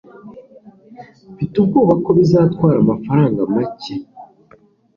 mfite ubwoba ko bizatwara amafaranga make